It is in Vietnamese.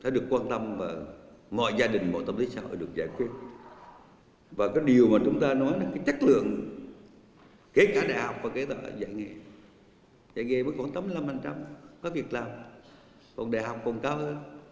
dạng nghề mới khoảng tám mươi năm có việc làm còn đại học còn cao hơn